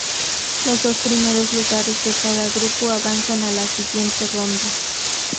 Los dos primeros lugares de cada grupo avanzan a la siguiente ronda.